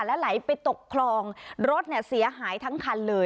และไหลไปตกคลองรถเนี่ยเสียหายทั้งคันเลย